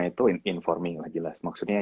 itu informing lah jelas maksudnya